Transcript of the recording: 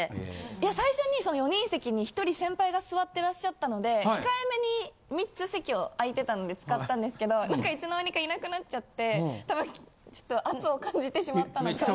最初に４人席に１人先輩が座ってらっしゃったので控え目に３つ席を空いてたので使ったんですけど何かいつの間にかいなくなっちゃって多分ちょっと圧を感じてしまったのか。